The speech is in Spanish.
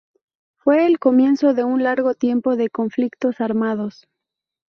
Fue el comienzo de un largo tiempo de conflictos armados.